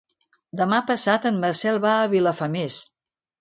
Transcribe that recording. Demà passat en Marcel va a Vilafamés.